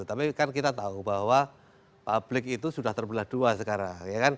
tapi kan kita tahu bahwa publik itu sudah terbelah dua sekarang